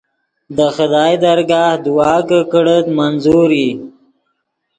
دے خدائے درگاہ دعا کہ کڑیت منظور ای